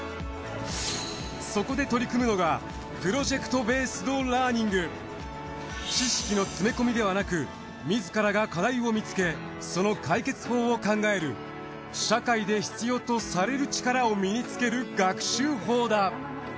そこで取り組むのが知識の詰め込みではなく自らが課題を見つけその解決法を考える社会で必要とされる力を身につける学習法だ。